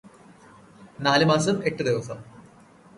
നാലു മാസം എട്ടു ദിവസം